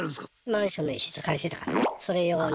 マンションの一室借りてたからねそれ用に。